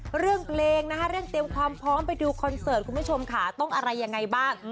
เปลงเกรงนะรึงเตรียมความพร้อมไปดูคอนเซิร์ทคุณผู้ชมค่ะต้องอะไรยังไงบ้าง